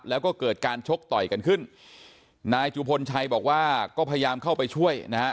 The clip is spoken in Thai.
แล้วก็เกิดการชกต่อยกันขึ้นนายจุพลชัยบอกว่าก็พยายามเข้าไปช่วยนะฮะ